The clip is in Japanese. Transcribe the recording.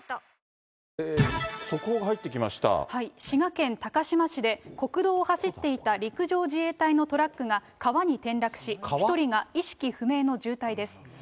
滋賀県高島市で、国道を走っていた陸上自衛隊のトラックが川に転落し、１人が意識不明の重体です。